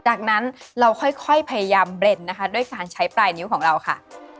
ดังนั้นเราค่อยพยายามเบรนด์นะคะด้วยการใช้ปลายนิ้วของเราค่ะ